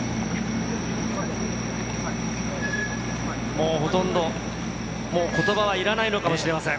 もうほとんど、ことばはいらないのかもしれません。